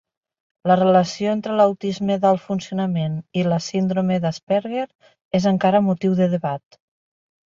La relació entre l'autisme d'alt funcionament i la síndrome d'Asperger és encara motiu de debat.